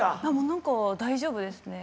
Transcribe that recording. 何か大丈夫ですね。